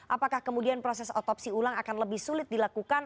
apakah kemudian proses otopsi ulang akan lebih sulit dilakukan